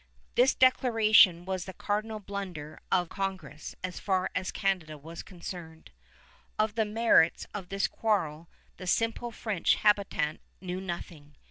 This declaration was the cardinal blunder of Congress as far as Canada was concerned. Of the merits of the quarrel the simple French habitant knew nothing.